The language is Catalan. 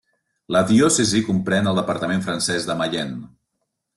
La diòcesi comprèn el departament francès de Mayenne.